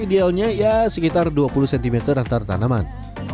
idealnya ya sekitar dua puluh cm antar tanaman